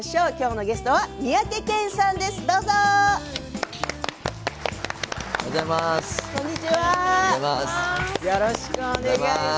おはようございます。